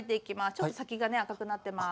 ちょっと先がね赤くなってます。